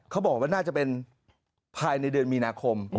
เขาบอกว่าน่าจะเป็นภายในเดือนมีนาคม